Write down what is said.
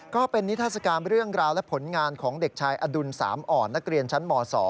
ก็เป็นนิทัศกาลเรื่องราวและผลงานของเด็กชายอดุลสามอ่อนนักเรียนชั้นม๒